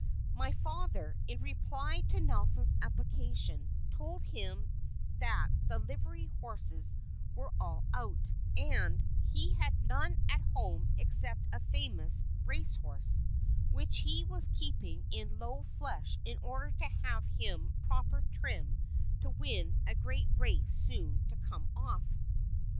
My father, in reply to Nelson's application, told him that the livery horses were all out, and he had none at home except a famous "race horse," which he was keeping in low flesh in order to have him in proper trim to win a great race soon to come off.